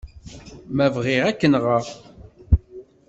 Ma bɣiɣ, ad k-nɣen.